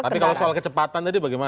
tapi kalau soal kecepatan tadi bagaimana